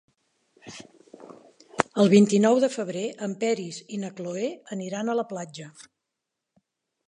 El vint-i-nou de febrer en Peris i na Cloè aniran a la platja.